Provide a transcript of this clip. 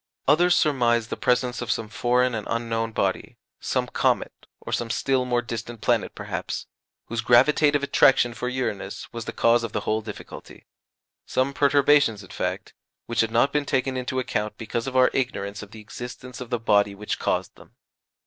Others surmised the presence of some foreign and unknown body, some comet, or some still more distant planet perhaps, whose gravitative attraction for Uranus was the cause of the whole difficulty some perturbations, in fact, which had not been taken into account because of our ignorance of the existence of the body which caused them.